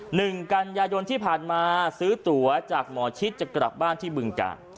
หนึ่งกันยายนที่ผ่านมาซื้อตัวจากหมอชิดจะกลับบ้านที่บึงกาล